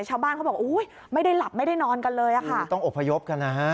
ก็ชาวบ้านเขาบอกอุ้ยไม่ได้หลับไม่ได้นอนกันเลยอะคะต้องอพยพกันนะฮะ